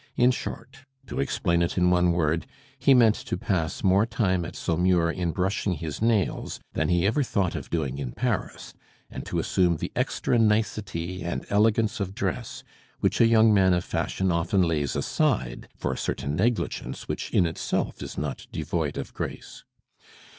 In short, to explain it in one word, he mean to pass more time at Saumur in brushing his nails than he ever thought of doing in Paris, and to assume the extra nicety and elegance of dress which a young man of fashion often lays aside for a certain negligence which in itself is not devoid of grace.